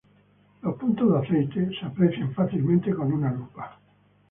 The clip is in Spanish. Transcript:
Puntos de aceite se aprecian fácilmente con una lupa.